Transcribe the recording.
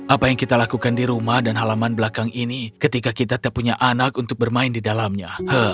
apa yang kita lakukan di rumah dan halaman belakang ini ketika kita punya anak untuk bermain di dalamnya